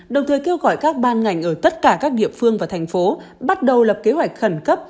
đồng thời kêu gọi các ban ngành ở tất cả các địa phương và thành phố bắt đầu lập kế hoạch khẩn cấp